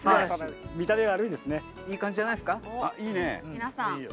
皆さん。